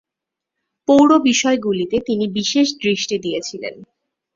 পৌর বিষয়গুলিতে তিনি বিশেষ দৃষ্টি দিয়েছিলেন।